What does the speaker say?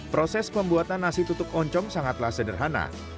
proses pembuatan nasi tutuk oncom sangatlah sederhana